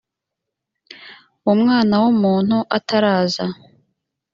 umwana w umuntu ataraza